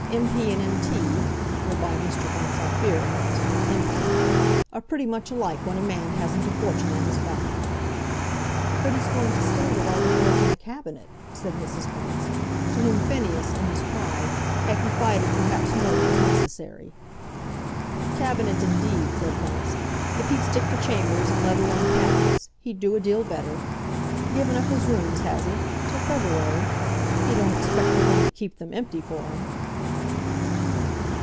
M.P. and M.T.," whereby Mr. Bunce, I fear, meant empty, "are pretty much alike when a man hasn't a fortune at his back." "But he's going to stay with all the lords in the Cabinet," said Mrs. Bunce, to whom Phineas, in his pride, had confided perhaps more than was necessary. "Cabinet, indeed," said Bunce; "if he'd stick to chambers, and let alone cabinets, he'd do a deal better. Given up his rooms, has he, till February? He don't expect we're going to keep them empty for him!"